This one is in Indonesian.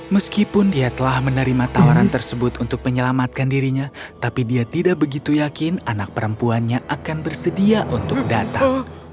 meskipun dia telah menerima tawaran tersebut untuk menyelamatkan dirinya tapi dia tidak begitu yakin anak perempuannya akan bersedia untuk datang